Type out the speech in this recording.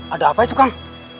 ada apa itu kang